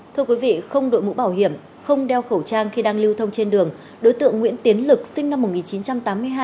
thưa quý vị không đội mũ bảo hiểm không đeo khẩu trang khi đang lưu thông trên đường đối tượng nguyễn tiến lực sinh năm một nghìn chín trăm tám mươi hai